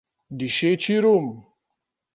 Dišeči rum!